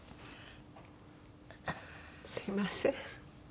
すみません。